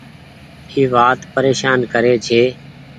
اي وآت پريشان ڪري ڇي۔